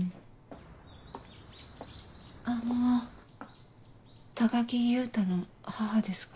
あの高木優太の母ですが。